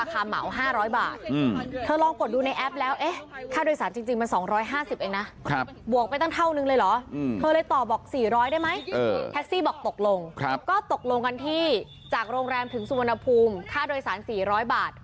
คิดราคาเหมา๕๐๐บาท